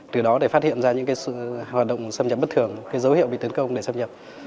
từ đó để phát hiện ra những hoạt động xâm nhập bất thường dấu hiệu bị tấn công để xâm nhập